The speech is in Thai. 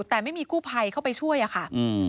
แต่ไม่มีกู้ภัยเข้าไปช่วยอะค่ะ